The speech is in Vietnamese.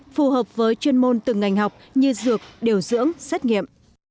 phù hợp với chuyên môn từng ngành học như dược điều dưỡng xét nghiệm